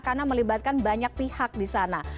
karena melibatkan banyak pihak di sana